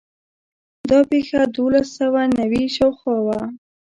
دا پېښه د دولس سوه نوي شاوخوا وه.